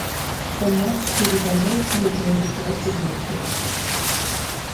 From March to December, she again deployed to the Mediterranean.